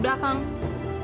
yang bencian kan ada siapa